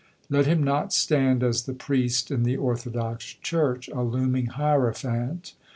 Let him not stand, as the priest in the Orthodox Church, a looming hierophant.